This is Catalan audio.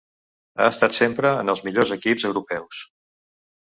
Ha estat sempre en els millors equips Europeus.